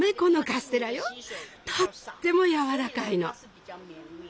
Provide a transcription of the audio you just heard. とってもやわらかいの。